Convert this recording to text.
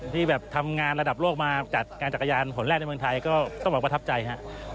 ที่แบบทำงานระดับโลกมาจัดการจักรยานหนแรกในเมืองไทยก็ต้องบอกว่าประทับใจฮะ